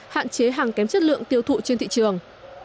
hạn chế hàng kém chất lượng tiêu thụ trên thị trường